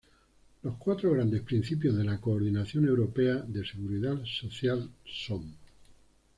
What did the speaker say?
Los cuatro grandes principios de la coordinación europea de Seguridad Social son:.